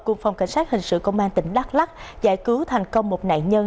cùng phòng cảnh sát hình sự công an tỉnh đắk lắc giải cứu thành công một nạn nhân